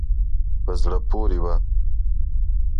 په زړه پورې وه.